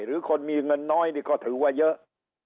หรือคนมีเงินน้อยนี่ก็ถือว่าเยอะ